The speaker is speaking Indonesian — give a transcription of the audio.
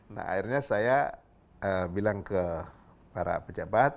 nah akhirnya saya bilang ke para pejabat